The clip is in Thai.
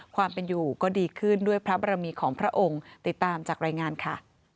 ความเป็นอยู่ก็ดีขึ้นด้วยพระบรมีของพระองค์ติดตามจากรายงานค่ะ